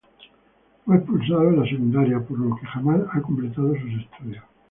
Fue expulsado de la secundaria, por lo que jamás ha completado sus estudios.